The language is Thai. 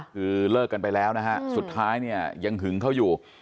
คือเลิกกันไปแล้วสุดท้ายยังหึงเขาอยู่